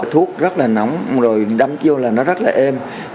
thuốc rất là nóng rồi đâm vô là nó rất là êm